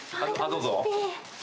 どうぞ。